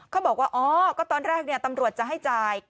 เขาบอกว่าอ๋อก็ตอนแรกตำรวจจะให้จ่าย